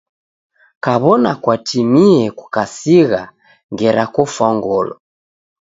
Kaw'ona kwatimie kukasigha ngera kofwa ngolo.